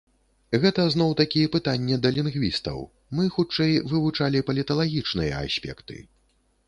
Гэта зноў-такі пытанне да лінгвістаў, мы, хутчэй, вывучалі паліталагічныя аспекты.